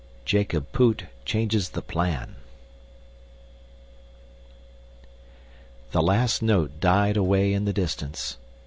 Jacob Poot Changes the Plan The last note died away in the distance.